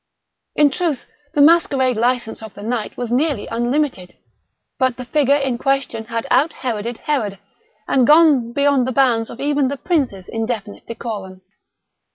In truth the masquerade license of the night was nearly unlimited; but the figure in question had out Heroded Herod, and gone beyond the bounds of even the prince's indefinite decorum.